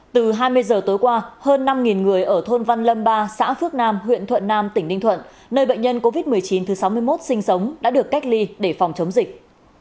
từ hai mươi giờ tối qua hơn năm người ở thôn văn lâm ba xã phước nam huyện thuận nam tỉnh ninh thuận nơi bệnh nhân covid một mươi chín thứ sáu mươi một sinh sống đã được cách ly để phòng chống dịch